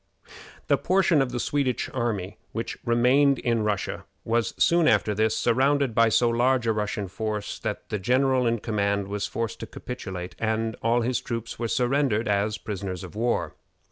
The portion of the Swedish army which remained in Russia was soon after this surrounded by so large a Russian force that the general in command was forced to capitulate, and all the troops were surrendered as prisoners of war.